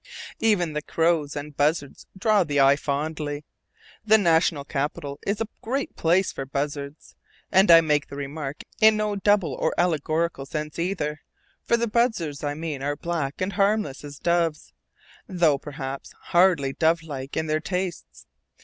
Even the crows and the buzzards draw the eye fondly. The National Capital is a great place for buzzards, and I make the remark in no double or allegorical sense either, for the buzzards I mean are black and harmless as doves, though perhaps hardly dovelike in their tastes.